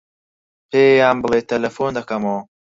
پێیان بڵێ تەلەفۆن دەکەمەوە.